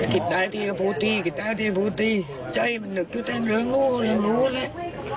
คิดได้ที่จะพูดที่คิดได้ที่จะพูดที่ใจมันเหนือกอยู่ในเรื่องนู้นยังรู้แหละ